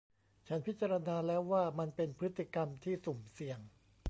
ฉันพิจารณาแล้วว่ามันเป็นพฤติกรรมที่สุ่มเสี่ยง